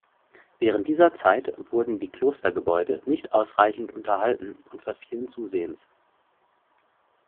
Während dieser Zeit wurden die Klostergebäude nicht ausreichend unterhalten und verfielen zusehends.